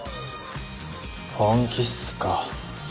本気っすか？